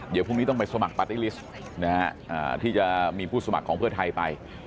เดี๋ยวพรุ่งนี้ต้องไปสมัครปาร์ตี้ลิสต์ที่จะมีผู้สมัครของเพื่อไทยไป